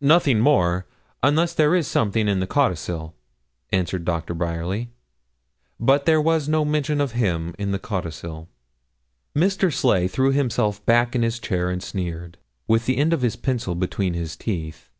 'Nothing more, unless there is something in the codicil,' answered Dr. Bryerly. But there was no mention of him in the codicil. Mr. Sleigh threw himself back in his chair, and sneered, with the end of his pencil between his teeth.